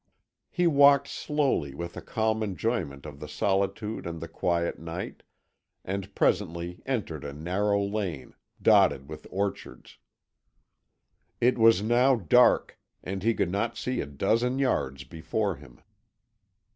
He walked slowly, with a calm enjoyment of the solitude and the quiet night, and presently entered a narrow lane, dotted with orchards. It was now dark, and he could not see a dozen yards before him.